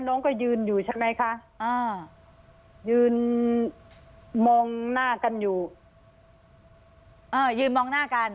น้องก็ยืนอยู่ใช่ไหมคะอ่ายืนมองหน้ากันอยู่อ่ายืนมองหน้ากัน